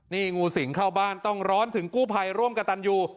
นี่งูสิงเข้าบ้านต้องร้อนถึงกู้ภัยร่วมกับตันยู